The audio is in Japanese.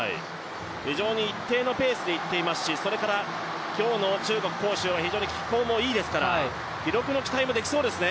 非常に一定のペースで行っていますし、それから、今日の中国・杭州は非常に気候もいいですから記録の期待もできそうですね。